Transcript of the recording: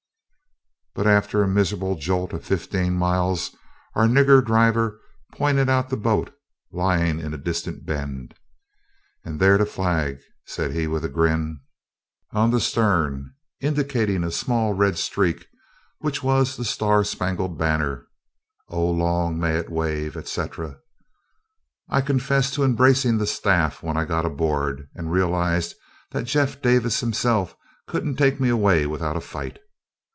But after a miserable jolt of fifteen miles, our nigger driver pointed out the boat lying in a distant bend. "And dar de flag," said he with a grin, "ober de starn," indicating a small red streak, which was "the star spangled banner, Oh, long may it wa a ve," etc. I confess to embracing the staff when I got aboard, and realized that Jeff. Davis himself couldn't take me away without a fight.